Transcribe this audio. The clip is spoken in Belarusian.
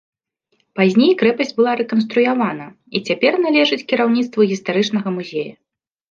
Пазней крэпасць была рэканструявана і цяпер належыць кіраўніцтву гістарычнага музея.